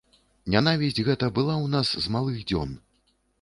Нянавісць гэта была ў нас з малых дзён.